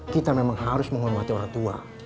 kita memang harus menghormati orang tua